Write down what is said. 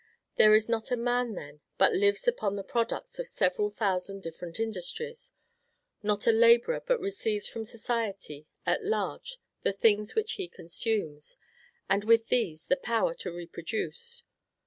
There is not a man, then, but lives upon the products of several thousand different industries; not a laborer but receives from society at large the things which he consumes, and, with these, the power to reproduce.